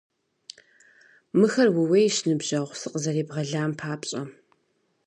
Мыхэр ууейщ, ныбжьэгъу, сыкъызэребгъэлам папщӀэ!